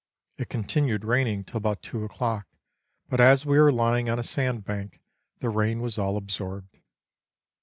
It con tinued raining till about two o'clock, but as we were lying on a sand bank, the rain was all absorbed.